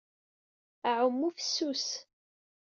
Aɛumu fessus.